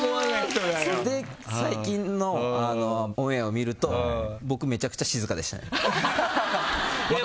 最近のオンエアを見ると僕、めちゃくちゃ静かでしたね。